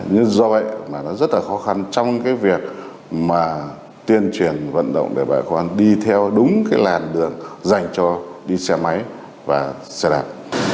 nhưng do vậy mà nó rất là khó khăn trong cái việc mà tuyên truyền vận động để bà con đi theo đúng cái làn đường dành cho đi xe máy và xe đạp